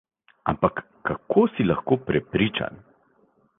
Ampak kako si lahko prepričan?